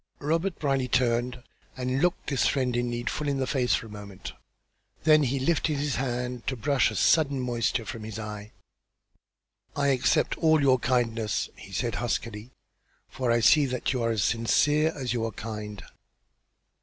Robert Brierly turned and looked this friend in need full in the face for a moment; then he lifted his hand to brush a sudden moisture from his eye. "I accept all your kindness," he said, huskily, "for I see that you are as sincere as you are kind."